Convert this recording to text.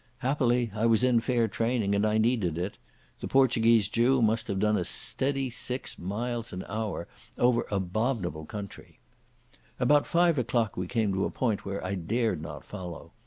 Happily I was in fair training, and I needed it. The Portuguese Jew must have done a steady six miles an hour over abominable country. About five o'clock we came to a point where I dared not follow.